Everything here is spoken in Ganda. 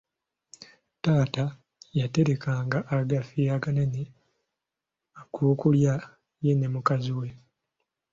Taata yaterekanga agafi aganene ag'okulya ye ne mukazi we.